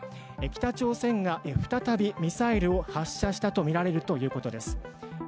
北朝鮮が再び、ミサイルを発射したと見られるということです。